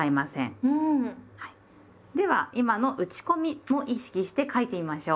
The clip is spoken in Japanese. では今の打ち込みを意識して書いてみましょう。